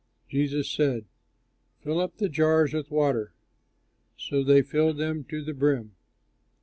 Jesus said, "Fill up the jars with water." So they filled them to the brim.